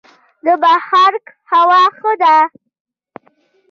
د بهارک هوا ښه ده